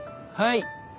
はい。